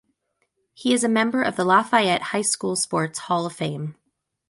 He is a member of the Lafayette High School Sports Hall of fame.